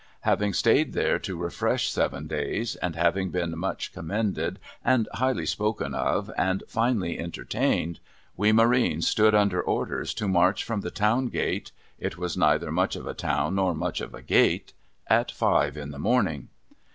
Having stayed there to refresh seven days, and having been much commended, and highly spoken of, and finely entertained, we Marines stood under orders to march from the Town ( iate (it was neither much of a town nor much of a gate), at five in the morning.